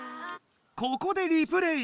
ここでリプレー！